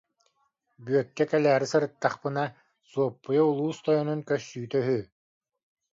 Бүөккэ кэлээри сырыттахпына: «Суоппуйа улуус тойонун көссүүтэ үһү»